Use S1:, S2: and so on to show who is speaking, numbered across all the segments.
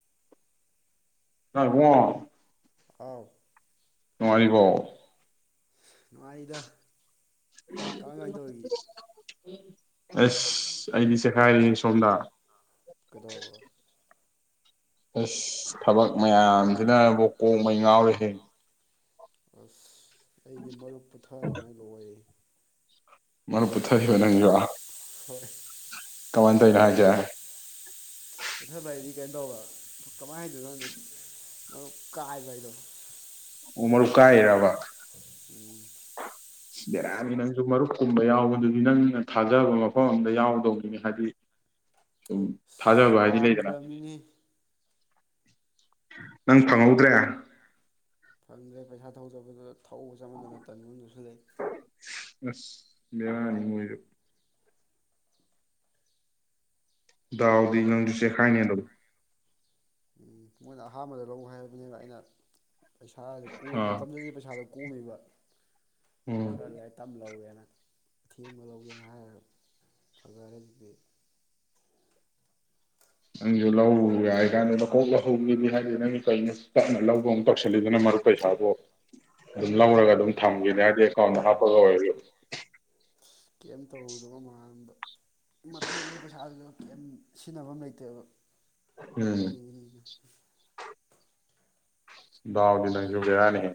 S1: [unintelligible]
S2: ꯑꯥꯎ
S1: ꯅꯨꯡꯉꯥꯏꯔꯤꯕꯣ
S2: ꯅꯨꯡꯉꯥꯏꯔꯤꯗ ꯀꯃꯥꯏ ꯀꯃꯥꯏ ꯇꯧꯔꯤꯒꯦ
S1: [unintelligible] ꯑꯁ ꯑꯩꯗꯤ ꯆꯦꯈꯥꯏꯔꯤ ꯁꯣꯝꯗ
S2: ꯀꯩꯗꯧꯔꯕ
S1: ꯑꯁ ꯊꯕꯛ ꯃꯌꯥꯝꯁꯤꯅꯕꯨ ꯀꯣꯛꯃꯩ ꯉꯥꯎꯔꯦꯍꯦ
S2: ꯑꯁ ꯑꯩꯗꯤ ꯃꯔꯨꯞ ꯄꯨꯊꯥꯗꯅ ꯂꯣꯏꯔꯦ
S1: ꯃꯔꯨꯞ ꯄꯨꯊꯕ ꯅꯪꯖꯨ
S2: ꯍꯣꯏ
S1: ꯀꯃꯥꯏ ꯇꯧꯏꯅꯣ ꯍꯥꯏꯖꯦ
S2: ꯄꯨꯊꯥꯕ ꯍꯥꯏꯗꯤ ꯀꯩꯅꯣ ꯇꯧꯕ ꯀꯃꯥꯏꯅ ꯍꯥꯏꯗꯣꯏꯅꯣ ꯈꯪꯗꯦ ꯃꯔꯨꯞ ꯀꯥꯏꯕ ꯍꯥꯏꯗꯣ
S1: ꯑꯣ ꯃꯔꯨ ꯀꯥꯏꯔꯤꯔꯕ
S2: ꯎꯝ
S1: ꯕꯦꯔꯅꯤ ꯅꯪꯁꯨ ꯃꯔꯨꯞꯀꯨꯝꯕ ꯌꯥꯎꯕꯗꯨꯗꯤ ꯅꯪꯅ ꯊꯥꯖꯕ ꯃꯐꯝ ꯑꯝꯗ ꯌꯥꯎꯗꯧꯅꯤꯅꯦ ꯍꯥꯏꯗꯤ ꯁꯨꯝ
S2: ꯑꯁ
S1: ꯊꯥꯖꯕ ꯍꯥꯏꯗꯤ ꯂꯩꯗꯅ
S2: ꯌꯥꯝꯗ꯭ꯔꯕꯅꯤꯅꯦ
S1: ꯅꯪ ꯐꯪꯍꯧꯗ꯭ꯔꯦ
S2: ꯐꯪꯗ꯭ꯔꯦ ꯄꯩꯁꯥ ꯊꯧ ꯆꯠꯄꯕꯗꯖꯨ ꯊꯧꯕ ꯆꯠꯃꯟꯗꯅ ꯇꯟꯕ ꯑꯝ ꯌꯥꯎꯁꯤꯜꯂꯛꯏ
S1: ꯑꯁ ꯕꯦꯔꯥꯅꯤꯍꯦ ꯗꯥꯎꯗꯤ ꯅꯪꯖꯨ ꯆꯦꯈꯥꯏꯅꯦ ꯑꯗꯨꯝ
S2: ꯃꯣꯏꯅ ꯑꯍꯥꯟꯕꯗ ꯂꯧ ꯍꯥꯏꯕꯅꯦꯕ ꯑꯩꯅ ꯄꯩꯁꯥ ꯀꯣꯝꯕ
S1: ꯑꯥ
S2: ꯃꯇꯝꯗꯨꯗꯗꯤ ꯄꯩꯁꯥꯗꯣ ꯀꯣꯝꯃꯤꯕ
S1: ꯎꯝ
S2: ꯈꯔ ꯂꯩ ꯇꯞ ꯂꯎꯒꯦꯅ ꯑꯊꯦꯡꯕ ꯂꯧꯒꯦꯅ ꯍꯥꯏꯔ ꯐꯖꯔꯦ ꯍꯧꯖꯤꯛꯇꯤ
S1: ꯅꯪꯁꯨ ꯂꯧ ꯌꯥꯏ ꯀꯥꯟꯗ ꯂꯧꯍꯧ ꯂꯧꯍꯧꯒꯦꯗꯤ ꯍꯥꯏꯗꯦ ꯅꯪ ꯀꯩꯅꯣ ꯇꯞꯅ ꯂꯧꯕ ꯑꯃꯨ ꯇꯧꯁꯤꯜꯂꯤꯗꯨꯅ ꯃꯔꯨꯞ ꯄꯩꯁꯥꯗꯣ ꯑꯗꯨꯝ ꯂꯧꯔꯒ ꯑꯗꯨꯝ ꯊꯝꯒꯦꯗꯤ ꯍꯥꯏꯗꯤ ꯑꯦꯀꯥꯎꯟꯗ ꯍꯥꯞꯄꯒ ꯑꯣꯏꯖꯨ
S2: ꯀꯦꯝ ꯇꯧꯔꯣꯏꯗꯕ ꯃꯟꯕ ꯃꯇꯝꯗꯨꯗ ꯄꯩꯁꯥꯖꯨ ꯁꯤꯖꯤꯟꯅꯕꯝ ꯂꯩꯇꯦꯕ
S1: ꯎꯝ
S2: ꯑꯩ
S1: ꯗꯥꯎꯗꯤ ꯅꯪꯖꯨ ꯕꯦꯔꯅꯤꯍꯦ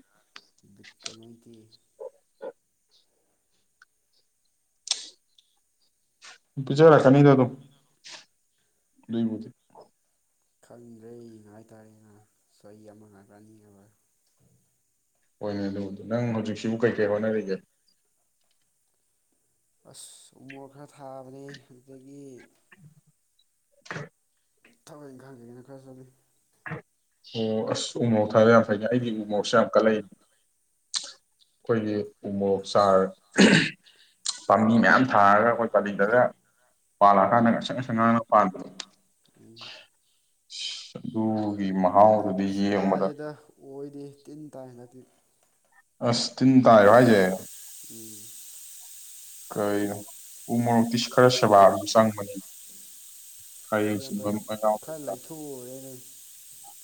S2: ꯀꯩꯅꯣꯒꯤ
S1: ꯄꯨꯖꯥꯔꯛꯆꯥꯅꯤꯗ ꯑꯗꯨꯝ ꯌꯦꯡꯉꯖꯤ
S2: ꯈꯡꯗ꯭ꯔꯦꯝ ꯍꯥꯏꯇꯥꯔꯦꯅ ꯆꯍꯤ ꯑꯃ ꯉꯥꯏꯕꯔꯥ ꯑꯅꯤ ꯉꯥꯏꯕꯥꯔꯥ
S1: ꯍꯣꯏꯅꯦ ꯑꯗꯨꯕꯨꯗꯤ ꯅꯪ ꯍꯧꯖꯤꯛꯁꯤꯕꯨ ꯀꯩꯀꯩ ꯍꯣꯠꯅꯔꯤꯒꯦ
S2: ꯑꯁ ꯎꯃꯣꯔꫭꯛ ꯈꯔ ꯊꯥꯕꯅꯦ ꯑꯗꯨꯗꯒꯤ ꯊꯕꯛ ꯏꯪꯈꯥꯡ ꯀꯩꯀꯩꯅꫭ ꯈꯔ ꯆꯠꯂꯤ
S1: ꯑꯣ ꯑꯁ ꯎꯃꯣꯔꫭꯛ ꯊꯥꯕ ꯌꯥꯝ ꯐꯩꯅꯦ ꯑꯩꯗꯤ ꯎꯃꯣꯔꫭꯛꯁꯦ ꯌꯥꯝ ꯀꯠꯂꯛꯏ ꯑꯩꯈꯣꯏꯒꯤ ꯎꯃꯣꯛ ꯆꯥꯔ [inaudible] ꯄꯥꯝꯕꯤ ꯃꯌꯥꯝ ꯊꯥꯔꯒ ꯑꯩꯈꯣꯏ ꯄꯂꯤꯗꯒ ꯄꯥꯜꯂꯛꯑꯀꯥꯟꯗ ꯉꯥꯛꯁꯪ ꯉꯥꯛꯁꯪ ꯉꯥꯡꯉ ꯄꯥꯟꯕꯗꫭ
S2: ꯎꯝ
S1: ꯑꯗꯨꯒꯤꯃ
S2: ꯌꯥꯗꯦꯗ ꯑꫭꯏꯗꯦ ꯇꯤꯟ ꯇꯥꯏ ꯌꯟꯗꯛꯇꯤ
S1: ꯑꯁ ꯇꯤꯟ ꯇꯥꯏꯔꫭ ꯍꯥꯏꯖꯦ
S2: ꯎꯝ
S1: ꯀꯩꯅꯣ ꯎꯃꫭꯔꫭꯛꯇꯤꯁ ꯈꯔ ꯁꯦꯕꯥ ꯑꯗꯨꯝ ꯆꯪꯕꯅꯤ ꯈꯔ
S2: ꯑꯩ
S1: ꯌꯦꯡꯁꯤꯟꯕ
S2: ꯍꯟꯗꯛ
S1: ꯑꯃ
S2: ꯈꯔ
S1: ꯌꯥꯎꯗꯗꯤ ꯌꯥꯗꯕꯅꯤ
S2: ꯂꯥꯏꯊꯣꯛꯎꯔꯦꯅꯩ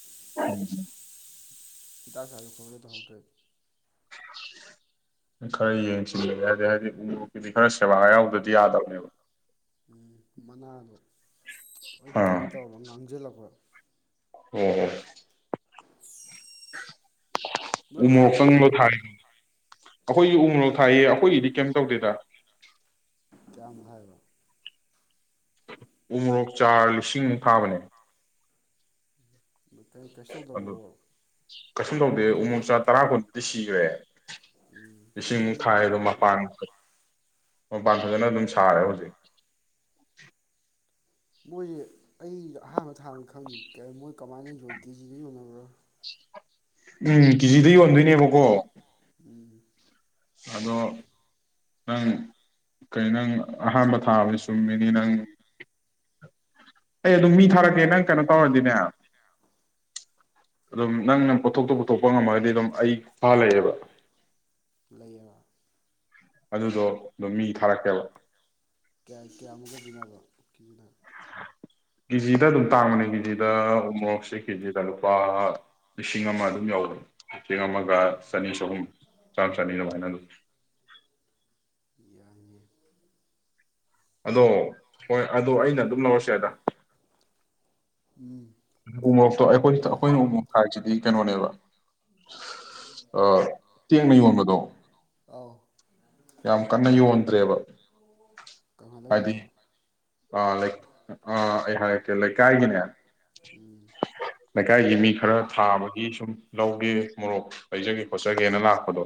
S1: [inaudible]
S2: [unintelligible] [unintelligible] ꯇꯧꯍꯧꯗ꯭ꯔꯦ
S1: ꯈꯔ ꯌꯦꯡꯁꯤꯟꯒꯦ ꯌꯥꯏꯗꯦ ꯍꯥꯏꯗꯤ ꯎꯃꫭꯌꫭꯛ ꯀꯤꯗꯤ ꯈꯔ ꯁꯦꯕꯥ ꯌꯥꯎꯗ꯭ꯔꯗꯤ ꯌꯥꯗꯕꯅꯦꯕ
S2: ꯎꯝ ꯃꯅꯥꯗꯣ ꯂꯣꯏ ꯀꯩꯅꯣ
S1: ꯑꯥ
S2: ꯇꯧꯔꯕ ꯉꯥꯡꯖꯜꯂꯛꯄ
S1: [unintelligible] [unintelligible]
S2: ꯅꯣꯏ
S1: ꯎꯃꫭꯔꫭꯛ
S2: ꯊꯥꯏꯗꯥꯏꯅꯦ
S1: ꯆꯪꯕ [unintelligible] ꯑꯈꯣꯏꯒꯤ ꯎꯃꯣꯔꯣꯛ ꯊꯥꯏꯌꯦ ꯑꯈꯣꯏꯒꯤꯗꯤ ꯀꯌꯤꯝ ꯇꯧꯗꯦꯗ
S2: ꯀꯌꯥꯝ ꯊꯥꯏꯕ
S1: ꯎꯣꯃꫭꯔꯣꯛ ꯆꯥꯔ ꯂꯤꯁꯤꯡꯄꯨꯛ ꯊꯥꯕꯅꯦ
S2: ꯀꯩꯁꯨ
S1: ꯑꯗꯨ
S2: ꯇꯧꯗꯕ꯭ꯔꯣ
S1: ꯀꯩꯁꯨꯨꯝ ꯇꯧꯗꯦ ꯎꯃꯣꯔꫭꯛ ꯆꯥ ꯇꯔꯥ ꯀꯨꯟꯕꯨꯗꯤ ꯁꯤ
S2: ꯎꯝ
S1: [unintelligible]
S2: ꯅꯣꯏ
S1: ꯂꯤꯁꯤꯡꯃꯨꯛ ꯊꯥꯏ ꯑꯗꫭ
S2: ꯌꯥꯝꯅ
S1: ꯃꯄꯥꯟ ꯃꯄꯥꯟ ꯐꯖꯅ ꯑꯗꯨꯝ ꯁꯥꯔꯦ ꯍꯧꯖꯤꯛ
S2: ꯃꯣꯏꯖꯦ ꯑꯩ ꯑꯍꯥꯟꯕ ꯊꯥꯡ ꯈꯪꯉꯤꯅꯤ ꯀꯩꯅꫭ ꯃꯣꯏ ꯀꯃꯥꯏꯅ ꯌꯣꯟ ꯀꯦ ꯖꯤ ꯗꯦ ꯌꯣꯟꯅꯕ꯭ꯔꯥ
S1: ꯎꯝ ꯀꯦ ꯖꯤ ꯗ ꯌꯣꯟꯗꯣꯏꯅꯦꯕꯀꯣ
S2: ꯎꯝ
S1: ꯑꯗꯣ ꯅꯪ ꯀꯩ ꯅꯪ ꯑꯍꯥꯟꯕ ꯊꯥꯕꯅꯤ ꯆꯨꯝ ꯃꯤꯅꯤ ꯅꯪ ꯑꯩ ꯑꯗꯨꯝ ꯃꯤ ꯊꯥꯔꯛꯀꯦ ꯅꯪ ꯀꯩꯅꯣ ꯇꯧꯔꯗꯤꯅꯦ ꯑꯗꯨꯝ ꯅꯪꯅ ꯄꯣꯊꯣꯛꯇꯣ ꯄꯨꯊꯣꯛꯄ ꯉꯝꯃꯒꯗꯤ ꯑꯗꯨꯝ ꯑꯩ ꯈꯨꯠꯐ ꯂꯩꯌꯦꯕ
S2: ꯂꯩꯌꯦꯕ
S1: ꯑꯗꯨꯗꯣ ꯑꯗꯨꯝ ꯃꯤ ꯊꯥꯔꯛꯀꯦꯕ
S2: ꯀꯌꯥ ꯀꯌꯥꯃꯨꯒ ꯕꯤꯅꯕ ꯀꯤꯔꯥ
S1: ꯀꯦꯖꯤꯗ ꯑꯗꯨꯝ ꯇꯥꯡꯕꯅꯦ ꯀꯦꯖꯤꯗ ꯎꯃꯣꯛꯁꯦ ꯀꯦꯖꯤꯗ ꯂꯨꯄꯥ ꯂꯤꯁꯤꯡ ꯑꯃ ꯑꯗꯨꯝ ꯌꯧꯔꯦ ꯂꯤꯦꯡ ꯑꯃꯒ ꯆꯅꯤ ꯆꯍꯨꯝ ꯆꯥꯝꯃ ꯆꯅꯤ ꯑꯗꯨꯃꯥꯏꯅ ꯑꯗꯨꯝ
S2: ꯌꯥꯌꯥꯅꯦ
S1: ꯑꯗꯣ ꯍꯣꯏ ꯑꯣ ꯑꯩꯅ ꯑꯗꯨꯝ ꯂꯧꯔꯁ ꯑꯗ
S2: ꯎꯝ
S1: ꯎꯃꯣꯛꯇꯣ ꯑꯩꯈꯣꯏ
S2: ꯌꯥꯏ
S1: ꯑꯩꯈꯣꯏꯅ ꯎꯃꯣꯛ ꯊꯥꯁꯤꯗꯤ ꯀꯩꯅꯣꯅꯦꯕ ꯇꯦꯡꯅ ꯌꯣꯟꯕꯗꯣ
S2: ꯑꯥꯎ
S1: ꯌꯥꯝ ꯀꯟꯅ ꯌꯣꯟꯗ꯭ꯔꯦꯕ ꯍꯥꯏꯗꯤ
S2: [unintelligible]
S1: ꯑ ꯂꯥꯏꯛ ꯑ ꯑꯩ ꯍꯥꯏꯔꯛꯀꯦ ꯂꯩꯀꯥꯏꯒꯤꯅꯦ
S2: ꯎꯝ
S1: ꯂꯩꯀꯥꯏꯒꯤ ꯃꯤ ꯈꯔ ꯊꯥꯕꯒꯤ ꯁꯨꯝ ꯂꯧꯒꯦ ꯃꯣꯔꯣꯛ ꯂꯩꯖꯒꯦ ꯈꯣꯠꯆꯒꯦꯅ ꯂꯥꯛꯄꯗꯣ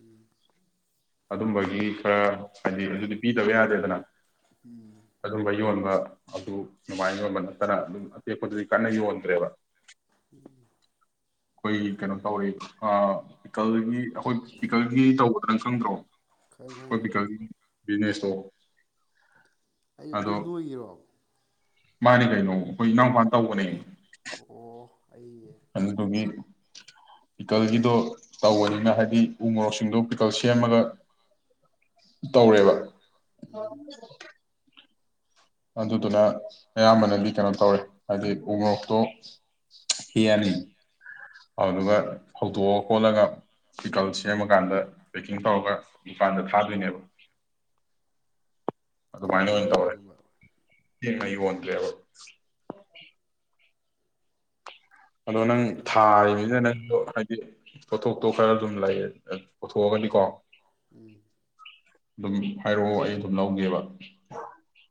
S2: ꯎꯝ
S1: ꯑꯗꯨꯝꯕꯒꯤ ꯈꯔ ꯍꯥꯏꯗꯤ ꯑꯗꯨꯗꯤ ꯄꯤꯗꯕ ꯌꯥꯗꯦꯗꯅ
S2: ꯎꯝ
S1: ꯑꯗꯨꯝꯕ ꯌꯣꯟꯕ ꯑꯗꯨ ꯃꯥꯏꯅ ꯌꯣꯟꯕ ꯅꯠꯇꯅ ꯑꯗꯨꯝ ꯑꯇꯦꯛꯄꯗꯨꯗꯤ ꯀꯟꯅ ꯌꯣꯟꯗ꯭ꯔꯦꯕ ꯑꯩꯣꯏ ꯀꯩꯅꯣ ꯇꯥꯎꯋꯦ ꯑ ꯄꯤꯀꯜꯗꯒꯤ ꯑꯩꯈꯣꯏ ꯄꯤꯀꯜꯒꯤ ꯇꯧꯒꯗ꯭ꯔꯪ ꯈꯪꯗ꯭ꯔꯣ
S2: ꯈ ꯍ ꯍꯣꯏ
S1: ꯕꯤꯖꯤꯅꯦꯁꯣ
S2: ꯑꯩ ꯑꯗꯨ ꯅꯣꯏꯒꯤꯔꯣ
S1: ꯃꯥꯔꯤꯒꯥꯏꯩꯅꯣ ꯑꯩꯣꯏ ꯏꯎ ꯐ
S2: ꯑꯣ ꯑꯩ
S1: [unintelligible] ꯄꯤꯀꯜꯒꯤꯗꯣ ꯇꯧꯕꯅꯤꯅ ꯍꯥꯏꯗꯤ ꯎ ꯃꯣꯔꯣꯛꯁꯤꯡꯗꯣ ꯄꯤꯀꯜ ꯁꯦꯝꯃꯒ ꯇꯧꯔꯦꯕ ꯍ
S2: ꯎꯝ
S1: ꯑꯗꯨꯗꯨꯅ ꯑꯌꯥꯝꯕꯅꯗꯤ ꯀꯩꯅꯣ ꯇꯧꯔꯦ ꯍꯥꯏꯕꯗꯤ ꯎ ꯃꯣꯔꯛꯇꯣ ꯍꯦꯛꯑꯅꯤ ꯑꯗꯨ ꯐꯧꯗꯣꯛꯑ ꯈꯣꯠꯂꯒ ꯇꯤꯀꯜ ꯁꯦꯝꯃꯀꯥꯟꯗ ꯄꯦꯛꯀꯤꯡ ꯇꯧꯔꯒ ꯗꯨꯀꯥꯟꯗ ꯊꯥꯗꯣꯏꯅꯦꯕ
S2: ꯀꯌꯥꯗꯒꯤ ꯍꯧꯔꯤꯅꯣꯕ
S1: ꯉꯩ ꯑꯣꯟꯗ꯭ꯔꯦꯕ ꯑꯗꯣ ꯅꯪ
S2: ꯀꯩꯅꯣ
S1: ꯊꯥꯔꯤꯕꯅꯤꯅ ꯅꯪ ꯑꯗꯣ ꯍꯥꯏꯗꯤ ꯄꯣꯊꯣꯛꯇꯣ ꯈꯔ ꯑꯗꯨꯝ ꯂꯩꯌꯦ ꯄꯨꯣꯊꯣꯛꯑꯒꯗꯤꯀꯣ
S2: ꯎꯝ
S1: ꯑꯗꯨꯝ ꯍꯥꯏꯔꯛꯑꯣ ꯑꯩ ꯑꯗꯨꯝ ꯂꯧꯒꯦꯕ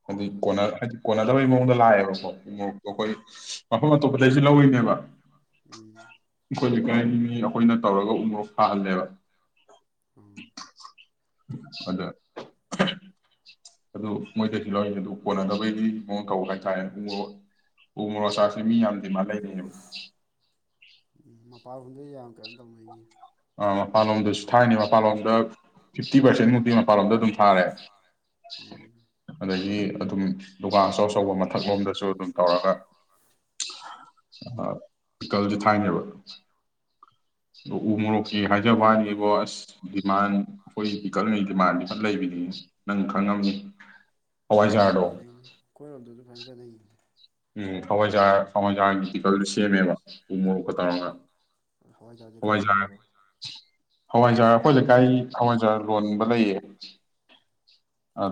S1: ꯍꯥꯏꯗꯤ
S2: ꯍꯣꯏ ꯍꯣꯏ
S1: ꯀꯣꯅ ꯍꯥꯏꯗꯤ ꯀꯣꯟꯅꯗꯕꯩ ꯃꯑꯣꯡꯗ ꯂꯥꯛꯑꯦꯕꯀꯣ ꯃꯣꯔꯣꯛꯇꯣ ꯑꯩꯈꯣꯏ ꯃꯐꯝ ꯑꯇꯣꯞꯄꯗꯩꯁꯨ ꯂꯧꯔꯤꯅꯦꯕ
S2: ꯎꯝ
S1: ꯑꯩꯈꯣꯏ ꯂꯩꯀꯥꯏ ꯃꯤ ꯑꯩꯈꯣꯏꯅ ꯇꯧꯔꯒ ꯎ ꯃꯣꯔꯣꯛ ꯊꯥꯍꯜꯂꯦꯕ
S2: ꯎꯝ
S1: ꯑꯗ ꯑꯗꯨ ꯃꯣꯏꯗꯗꯤ ꯂꯧꯔꯤ ꯑꯗꯨ ꯀꯣꯟꯅꯗꯕꯩꯗꯤ ꯃꯉ ꯀꯧ ꯍꯥꯏꯇꯥꯔꯦ ꯎ ꯃꯣꯛ ꯎ ꯃꯣꯔꯣꯛ ꯑꯆꯔ ꯁꯤ ꯃꯤ ꯌꯥꯝ ꯗꯤꯃꯥꯟ ꯂꯩꯕꯅꯦꯕꯥ [inaudible]
S2: ꯃꯄꯥꯟꯗ ꯌꯥꯝ ꯀꯩꯅꯑꯣꯝ ꯇꯧꯅꯩ
S1: ꯑ ꯃꯄꯥꯟꯂꯣꯝꯗꯁꯨ ꯊꯥꯏꯅꯤ ꯃꯄꯥꯟꯂꯣꯝꯗ ꯐꯤꯐꯇꯤ ꯄꯥꯔꯁꯦꯟꯃꯨꯛꯇꯤ ꯃꯄꯥꯟꯂꯣꯝꯗ ꯑꯗꯨꯝ ꯊꯥꯔꯦ
S2: ꯎꯝ
S1: ꯑꯗꯒꯤ ꯑꯗꯨꯝ ꯗꯨꯀꯥꯟ ꯑꯆꯧ ꯑꯆꯧꯕ ꯃꯊꯛꯂꯣꯝꯗꯁꯨ ꯑꯗꯨꯝ ꯇꯧꯔꯒ ꯄꯤꯀꯜꯁꯦ ꯊꯥꯏꯅꯦꯕ ꯑꯣ ꯎ ꯃꯣꯔꯣꯛ ꯑꯣ ꯍꯥꯏꯖꯕ ꯍꯥꯏꯅꯤꯕꯣ ꯑꯁ ꯗꯤꯃꯥꯟ ꯑꯩꯈꯣꯏ ꯄꯤꯀꯠꯂꯤꯉꯩ ꯗꯤꯃꯥꯟꯗꯤ ꯈ ꯂꯩꯕꯅꯤ ꯅꯪ ꯈꯪꯉꯝꯅꯤ
S2: ꯎꯝ
S1: ꯍꯋꯥꯖꯥꯗꯣ
S2: ꯂꯩꯅꯩꯅꯦ [inaudible]
S1: ꯎꯝ ꯍꯋꯥꯏꯖꯥꯔ ꯍꯋꯥꯏꯖꯥꯔꯒꯤ ꯄꯤꯀꯜ ꯁꯦꯝꯃꯦꯕ ꯎ ꯃꯣꯔꯣꯛ ꯈ ꯇꯧꯔꯒ
S2: ꯍꯋꯥꯏꯖꯔꯁꯦ ꯀꯥꯏꯗꯩꯩ ꯂꯧꯔꯤꯕꯥ
S1: ꯍꯋꯥꯏꯖꯥꯔꯥ ꯑꯩꯈꯣꯏ ꯂꯩꯀꯥꯏ ꯍꯋꯥꯏꯖꯥꯔ ꯂꯣꯟꯕ ꯂꯩꯌꯦ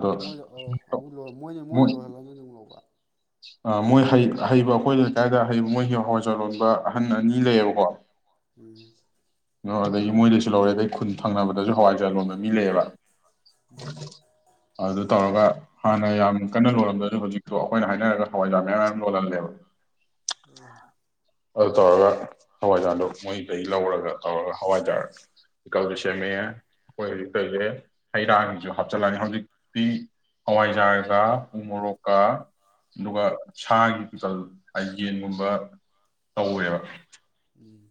S2: ꯑꯣ ꯃꯣꯏꯗ ꯑꯧ ꯑꯃꯨꯛ ꯂꯣꯏ ꯃꯣꯏ ꯃꯣꯏ ꯂꯣꯏꯍꯜꯂꯅꯤ ꯑꯗꯨꯝ ꯂꯧꯕ
S1: ꯑ ꯃꯣꯏ ꯍ ꯍꯩꯕ ꯑꯩꯈꯣꯏ ꯂꯩꯀꯥꯏꯗ ꯍꯩꯕ ꯃꯣꯏꯒꯤ ꯍꯋꯥꯏ ꯂꯣꯟꯕ ꯑꯍꯟ ꯑꯅꯤ ꯂꯩꯌꯦꯕꯀꯣ
S2: ꯎꯝ
S1: ꯑꯗꯒꯤ ꯃꯣꯏꯗꯁꯨ ꯂꯧꯔꯦ ꯑꯗꯩ ꯈꯨꯟ ꯊꯪꯅꯕꯗꯁꯨ ꯍꯋꯥꯏꯖꯔꯥ ꯂꯣꯟꯗ ꯃꯤ ꯂꯩꯌꯦꯕ ꯎ ꯑꯗꯨ ꯇꯧꯔꯒ ꯍꯥꯟꯅ ꯌꯥꯝ ꯀꯟꯅ ꯂꯣꯏꯔꯝꯗ ꯑꯗꯨ ꯍꯧꯖꯤꯛꯇꯣ ꯑꯩꯈꯣꯏꯅ ꯍꯥꯏ ꯍꯥꯏꯅꯔꯥꯒꯥ ꯍꯋꯥꯏꯖꯔ ꯃꯌꯥꯝ ꯃꯌꯥꯝ ꯂꯣꯟꯍꯟꯂꯦꯕꯥ
S2: ꯎꯝ
S1: ꯑꯗꯨ ꯇꯧꯔꯒ ꯍꯋꯥꯏꯖꯥꯔꯗꯨꯣ ꯃꯣꯏꯗꯒꯤ ꯂꯧꯔꯒ ꯇꯧꯔꯒ ꯍꯋꯥꯏꯖꯥꯔ ꯄꯤꯀꯜ ꯁꯦꯝꯃꯦ ꯑꯩꯈꯣꯏ ꯍꯧꯖꯤꯛ ꯍꯩꯔꯥꯁꯨ ꯍꯥꯞꯆꯤꯜꯂꯅꯤ ꯍꯧꯖꯤꯛꯇꯤ ꯍꯋꯥꯏꯖꯥꯔꯒ ꯃꯣꯔꯣꯛꯀ ꯑꯗꯨꯒ ꯁꯥꯒꯤ ꯄꯤꯀꯜ ꯏꯇꯦꯝꯒꯨꯝꯕ ꯇꯧꯋꯦꯕ
S2: ꯎꯝ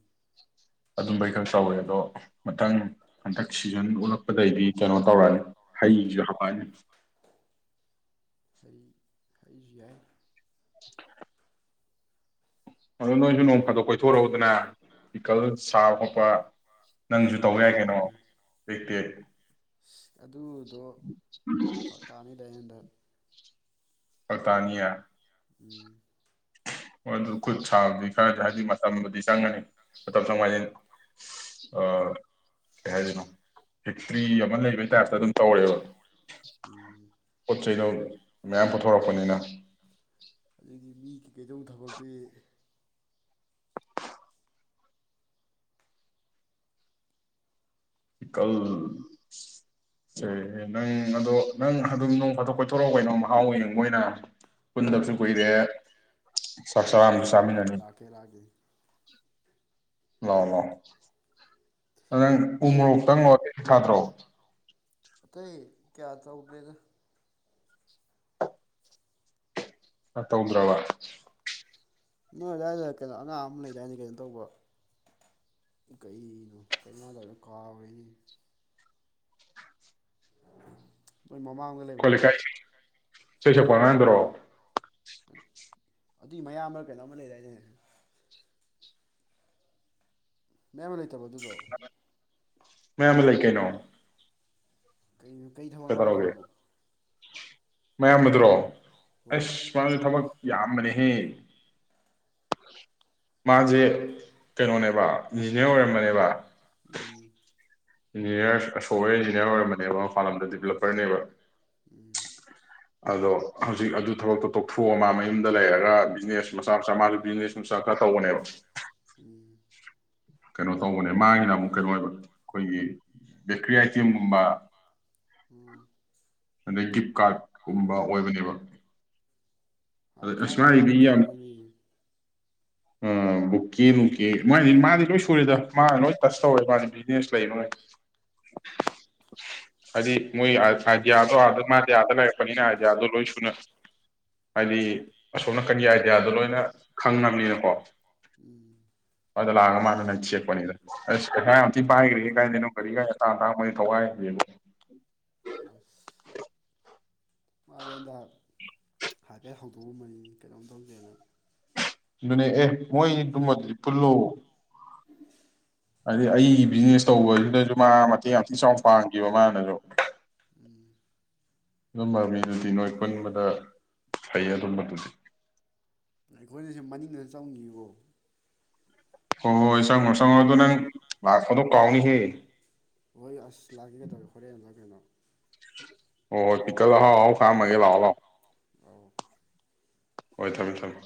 S1: ꯑꯗꯨꯝꯕꯩ ꯈꯛ ꯆꯥꯎꯋꯦ ꯑꯗꯣ ꯃꯊꯪ ꯍꯟꯇꯛ ꯁꯤꯖꯟ ꯑꯣꯠꯂꯛꯄꯗꯒꯤꯗꯤ ꯀꯩꯅꯣ ꯇꯧꯔꯛꯑꯅꯤ ꯍꯩꯁꯨ ꯍꯥꯞꯂꯛꯑꯅꯤ
S2: ꯍꯩ ꯌꯥꯏ
S1: [inaudible] ꯑꯗꯨ ꯅꯣꯏꯁꯨ ꯑꯗꯣ ꯀꯣꯏꯊꯣꯔꯛꯎꯗꯅ ꯄꯤꯀꯜ ꯁꯥꯕ ꯈꯣꯠꯄ ꯅꯪꯁꯨ ꯇꯧꯕ
S2: ꯂꯥꯛꯀꯦ
S1: ꯌꯥꯏ ꯀꯩꯅꯣ
S2: ꯂꯥꯛꯀꯦ
S1: ꯇꯦꯛ ꯇꯦꯛ
S2: ꯑꯗꯨꯗꯣ ꯐꯔꯛ ꯇꯥꯅꯤꯗ ꯑꯩ ꯍꯟꯗꯛ
S1: ꯐꯔꯛꯇꯥꯅꯤꯌꯦ
S2: ꯎꯝ
S1: ꯑꯗꯨ ꯈꯨꯠ ꯁꯥꯕꯗꯤ ꯈꯔꯗꯤ ꯍꯥꯏꯗꯤ ꯃꯇꯝꯕꯨꯗꯤ ꯆꯪꯒꯅꯤ ꯃꯇꯝ ꯆꯪꯉ ꯍꯥꯏꯗꯤ ꯑ ꯀꯩ ꯍꯥꯏꯗꯣꯏꯅꯣ [inaudible] ꯑꯃ ꯂꯩꯕꯩ ꯇꯥꯏꯞꯇ ꯑꯗꯨꯝ ꯇꯧꯔꯦꯕ
S2: ꯎꯝ
S1: ꯄꯣꯠ ꯆꯩ ꯃꯌꯥꯝ ꯄꯨꯊꯣꯔꯛꯄꯅꯤꯅ
S2: ꯑꯗꯨꯗꯒꯤ ꯃꯤ ꯀꯩꯗꯧ ꯊꯕꯛꯇꯨꯗꯤ
S1: ꯄꯤꯀꯜꯁꯦ ꯅꯪ ꯑꯗꯣ ꯅꯪ ꯑꯗꯨꯝ ꯅꯣꯡ ꯐꯥꯊꯣꯛ ꯀꯣꯏꯊꯣꯔꯛꯎ ꯀꯩꯅꯣ ꯃꯍꯥꯎꯩ ꯌꯦꯕꯥ ꯑꯣꯏꯅ ꯄꯨꯟꯗꯕꯁꯨ ꯀꯨꯏꯔꯦ ꯆꯥꯛ ꯆ
S2: ꯍꯣꯏ
S1: ꯑꯃꯁꯁꯨ
S2: ꯍꯣꯏ
S1: ꯆꯥꯃꯤꯟꯅꯅꯤ
S2: ꯂꯥꯛꯀꯦ ꯂꯥꯛꯀꯦ
S1: ꯂꯥꯎ ꯂꯥꯎ ꯅꯪ
S2: ꯅꯣꯏ
S1: ꯎꯃꯣꯔꯣꯛꯇꯪ [inaudible] [inaudible] [inaudible]
S2: ꯑꯇꯩ ꯀꯌꯥ ꯆꯧꯗꯔꯦꯗ
S1: ꯑ ꯇꯧꯗ꯭ꯔꯕ
S2: ꯅꯣꯏ ꯑꯗꯨꯗꯥꯋꯥꯏꯗ ꯀꯩꯅꯣ ꯑꯉꯥꯡ ꯑꯃ ꯂꯩꯗꯥꯏꯗ ꯀꯩꯅꯣ ꯇꯧꯕ ꯀꯩꯅꯣ ꯀꯗ ꯀꯥꯎꯦꯅꯤ ꯅꯣꯏ ꯃꯃꯥꯡꯗ ꯂꯩꯕꯗꯣ
S1: ꯑꯦꯁꯩ ꯁꯛꯞ ꯑꯉꯪꯗꯨꯔꯣ
S2: ꯑꯗꯨꯏ ꯃꯌꯥꯝꯕꯔ ꯀꯩꯅꯣꯃ ꯂꯩꯗꯥꯏꯅꯦ ꯃꯌꯝꯕ ꯂꯩ ꯇꯕ ꯑꯗꯨꯕꯣ
S1: ꯃꯌꯥꯝꯕ ꯂꯩ ꯀꯩꯅꯣ
S2: ꯀꯩ ꯊꯕꯛꯅꯦ ꯃꯅꯥ
S1: ꯀꯩꯗꯧꯔꯒꯦ
S2: ꯇꯧꯕꯗꯣ
S1: ꯃꯌꯥꯝꯕꯗꯨꯔꯣ
S2: ꯍꯣꯏ
S1: ꯑꯁ ꯃꯁꯨ ꯊꯕꯛ ꯌꯥꯝꯕꯅꯦꯍꯦ ꯃꯥꯁꯦ ꯀꯩꯅꯣꯅꯦꯕ ꯏꯟꯖꯤꯅꯤꯌꯥꯔ ꯑꯣꯏꯔꯝꯕꯅꯦꯕ
S2: ꯎꯝ
S1: ꯏꯟꯖꯤꯅꯤꯌꯥꯔ ꯑꯁꯋ ꯏꯟꯖꯤꯅꯤꯌꯥꯔ ꯑꯣꯏꯔꯝꯕꯅꯦꯕ ꯃꯄꯥꯟꯜ ꯂꯝꯗ ꯗꯤꯕꯦꯂꯞꯄꯔꯅꯦꯕ
S2: ꯎꯝ
S1: [inaudible] ꯑꯗꯣ ꯍꯧꯖꯤꯛ ꯑꯗꯨ ꯊꯕꯛꯇꯣ ꯇꯣꯛꯊꯣꯛꯑ ꯑꯃ ꯃꯌꯨꯝꯗ ꯂꯩꯔꯒ ꯕꯤꯖꯤꯅꯦꯁ ꯃꯆꯥ ꯃꯆꯥ ꯃꯥꯁꯨ ꯕꯤꯖꯤꯅꯦꯁ ꯃꯆꯥ ꯈꯔ ꯇꯧꯕꯅꯦꯕ
S2: ꯎꯝ
S1: ꯀꯩꯅꯣ ꯇꯧꯕꯅꯦ ꯃꯥꯥꯡꯉꯤꯅ ꯑꯃꯨꯛ ꯀꯩꯩꯅꯣ ꯑꯣꯏꯕ ꯑꯩꯈꯣꯏꯒꯤ ꯕꯦꯀꯔꯤ ꯑꯥꯏꯇꯦꯝꯒꯨꯝꯕ
S2: ꯎꯝ
S1: ꯑꯗꯩ ꯀꯥꯔꯠꯀꯨꯝꯕ ꯑꯣꯏꯕꯅꯦꯕ
S2: ꯑ
S1: ꯑꯗ ꯑꯁ
S2: ꯊꯥꯏꯅꯗꯤ ꯇꯤꯟꯔꯃꯤꯅꯤ
S1: ꯑ ꯑꯣꯛꯀꯦ ꯅꯨꯡꯀꯦ ꯃꯗꯤ ꯃꯥꯗꯤ ꯂꯣꯏ ꯁꯨꯔꯤꯦꯗ ꯃꯥ ꯂꯣꯏ ꯇꯁ ꯇꯧꯔꯦ ꯃꯥꯗꯤ ꯕꯤꯖꯤꯅꯦꯁ ꯂꯩ ꯅꯣꯏ ꯍꯥꯏꯗꯤ ꯃꯣꯏ ꯑꯥꯏꯗꯤꯌꯥꯗꯣ ꯑꯥꯗ ꯃꯥꯗꯤ ꯑꯥꯗ ꯂꯩꯔꯛꯄꯅꯤꯅ ꯑꯥꯏꯗꯤꯌꯥꯗꯣ ꯂꯣꯏ ꯁꯨꯅ ꯍꯥꯏꯗꯤ ꯑꯁꯣꯝ ꯅꯥ ꯀꯟꯒꯤ ꯑꯥꯏꯗꯤꯌꯥꯗꯣ ꯂꯣꯏꯅ ꯈꯪꯉꯝꯅꯤꯅ ꯑ [inaudible]
S2: ꯎꯝ
S1: ꯑꯗꯨ ꯂꯥꯛꯒ ꯃꯅ ꯅ ꯆꯦꯊꯦꯛꯄꯅꯤꯗ ꯄꯥꯏꯈ꯭ꯔꯦ ꯀꯥꯏꯗꯅꯣ ꯀꯔꯤꯒ ꯑꯇꯥꯡ ꯑꯇꯥꯡꯕꯒꯤ ꯊꯋꯥꯏꯅ
S2: ꯃꯥꯗꯤ ꯑꯟꯗ ꯍꯥꯏꯐꯦꯠ ꯍꯧꯗꯣꯛꯑꯕꯅꯤ ꯀꯩꯅꯣꯝ ꯇꯧꯒꯦꯅ
S1: ꯑꯗꯨꯅꯦ ꯑꯦ ꯃꯣꯏꯗꯨꯨꯝꯕ ꯑꯗꯨꯗꯤ ꯄꯨꯜꯂꯨ
S2: ꯎꯝ
S1: ꯑꯗꯩ ꯑꯩꯒꯤ ꯕꯤꯖꯤꯅꯦꯁ ꯇꯧꯕꯗꯨꯗꯁꯨ ꯃꯥ ꯃꯇꯦꯡ ꯌꯥꯝꯇꯤ ꯆꯥꯎ ꯄꯥꯡꯈꯤꯕ ꯃꯥꯅꯁꯨ
S2: ꯎꯝ
S1: ꯑꯗꯨꯝ ꯃꯕꯤꯗꯨꯗꯤ ꯅꯣꯏ ꯄꯨꯟꯕꯗ ꯐꯩ ꯑꯗꯨꯝꯕꯗꯨꯗꯤ
S2: ꯑꯩꯈꯣꯏꯅꯁꯨ ꯃꯅꯤꯡꯗ ꯆꯪꯉꯕꯣ
S1: ꯍꯣꯏ ꯍꯣꯏ ꯆꯪꯉꯣ ꯆꯪꯉꯣ ꯑꯗꯣ ꯅꯪ ꯂꯥꯛꯄꯗꯣ ꯀꯥꯎꯅꯤꯍꯦ
S2: ꯍꯣꯏ ꯑꯁ ꯂꯥꯛꯀꯒ ꯇꯧꯦ ꯍꯣꯔꯦꯟꯗ ꯀꯩꯅꯣ
S1: ꯑꯣ ꯇꯤꯀꯜ ꯍꯥꯎ ꯍꯥꯎ ꯈꯥꯀꯎꯝꯃꯥꯒꯦ ꯂꯥꯛꯑꯣ ꯂꯥꯛꯑꯣ
S2: ꯑꯧ
S1: ꯍꯣꯏ ꯊꯝꯃꯦ ꯊꯝꯃꯦ